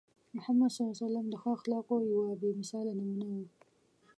محمد صلى الله عليه وسلم د ښو اخلاقو یوه بې مثاله نمونه وو.